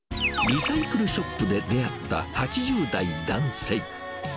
リサイクルショップで出会った８０代男性。